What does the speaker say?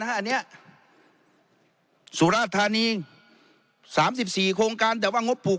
อันนี้สุราธานีสามสิบสี่โครงการแต่ว่างบผูก